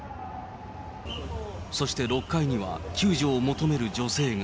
そして６階には救助を求める女性が。